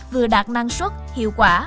vừa đạt năng suất hiệu quả